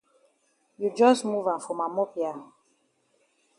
You jus move am for ma mop ya.